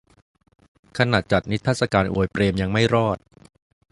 "ขนาดจัดนิทรรศการอวยเปรมยังไม่รอด"